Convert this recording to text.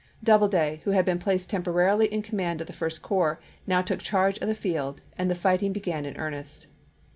Double day, who had been placed temporarily in command of the First Corps, now took charge of the field, and the fighting began in earnest.